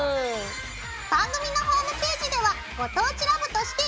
番組のホームページでは「ご当地ＬＯＶＥ」として。